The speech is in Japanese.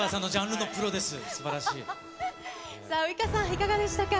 いかがでしたか。